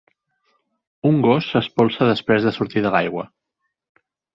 Un gos s'espolsa després de sortir de l'aigua.